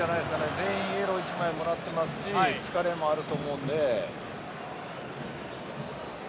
全員イエロー１枚もらっていますし疲れもあると思うんで。